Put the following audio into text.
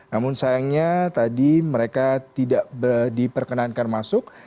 namun sayangnya tadi mereka tidak diperkenankan masuk